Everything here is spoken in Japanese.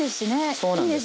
そうなんです。